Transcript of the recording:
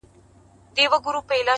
لا به په تا پسي ژړېږمه زه _